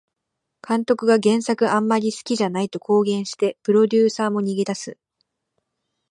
監督が原作あんまり好きじゃないと公言してプロデューサーも逃げ出す